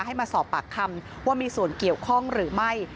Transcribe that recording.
ให้มาสอบปากคำว่ามีส่วนเกี่ยวข้องหรือไม่